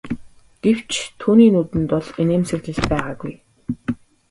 Гэвч түүний нүдэнд бол инээмсэглэл байгаагүй.